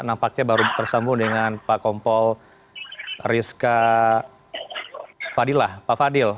nampaknya baru tersambung dengan pak kompol rizka fadilah pak fadil